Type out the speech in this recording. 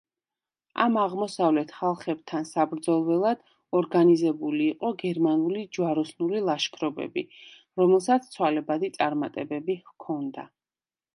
ამ აღმოსავლეთ ხალხებთან საბრძოლველად ორგანიზებული იყო გერმანული ჯვაროსნული ლაშქრობები, რომელსაც ცვალებადი წარმატებები ჰქონდა.